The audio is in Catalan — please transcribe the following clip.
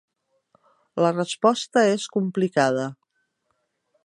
La resposta és complicada.